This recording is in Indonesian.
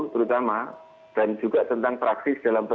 ini ketika p lighthouse adanya bukan sekali insya allah kuches